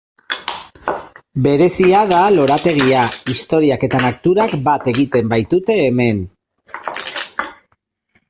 Berezia da lorategia, historiak eta naturak bat egiten baitute hemen.